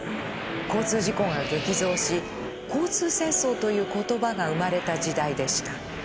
交通事故が激増し「交通戦争」という言葉が生まれた時代でした。